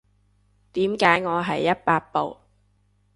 點解我係一百步